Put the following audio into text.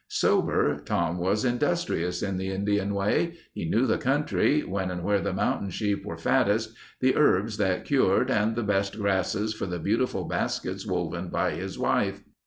Sober, Tom was industrious in the Indian way. He knew the country, when and where the mountain sheep were fattest; the herbs that cured and the best grasses for the beautiful baskets woven by his wife.